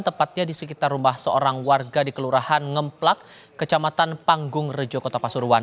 tepatnya di sekitar rumah seorang warga di kelurahan ngemplak kecamatan panggung rejo kota pasuruan